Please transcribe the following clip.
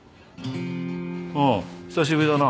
おう久しぶりだな。